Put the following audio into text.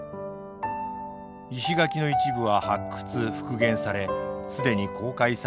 石垣の一部は発掘復元され既に公開されているものも。